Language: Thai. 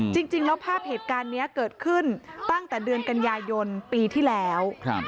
จริงแล้วภาพเหตุการณ์นี้เกิดขึ้นตั้งแต่เดือนกันยายนปีที่แล้ว